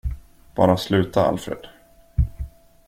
Bara sluta, Alfred.